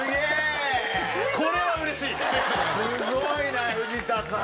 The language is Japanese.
すごいな藤田さん。